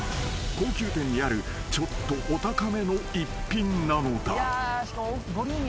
［高級店にあるちょっとお高めの一品なのだ］